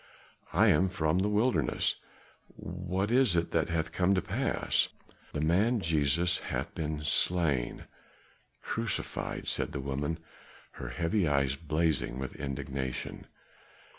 "I am from the wilderness; what is it that hath come to pass?" "The man Jesus hath been slain crucified!" said the woman, her heavy eyes blazing with indignation.